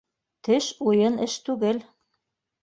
Теш — уйын эш түгел.